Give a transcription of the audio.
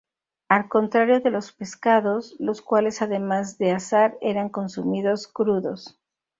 Al contrario de los pescados, los cuales además de asar eran consumidos crudos.